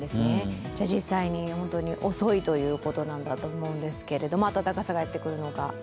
実際に遅いということなんだと思うんですけれども、暖かさがやってくるのが。